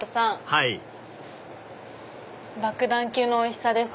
はい爆弾級のおいしさです。